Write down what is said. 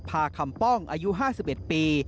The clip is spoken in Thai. คำป้องอายุ๕๑ปี